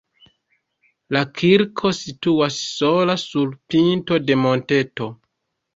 La kirko situas sola sur pinto de monteto.